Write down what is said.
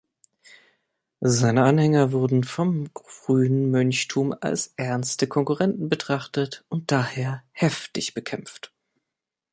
Seine Anhänger wurden vom frühen Mönchtum als ernste Konkurrenten betrachtet und daher heftig bekämpft.